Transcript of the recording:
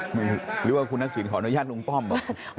หรือว่าคุณนักศึกษ์ขออนุญาตอุงป้อมหรือเปล่า